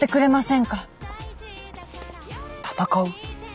戦う？